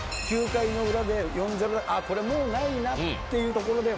９回の裏で４−０であっこれもうないなっていうところで。